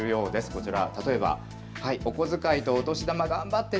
こちら。